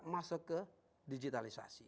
masuk ke digitalisasi